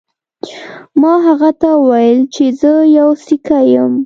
ما هغه ته وویل چې زه یو سیکه یم.